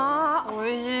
おいしい！